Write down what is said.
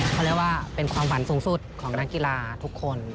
เขาเรียกว่าเป็นความฝันสูงสุดของนักกีฬาทุกคน